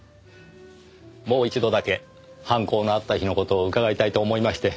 もう一度だけ犯行のあった日の事を伺いたいと思いまして。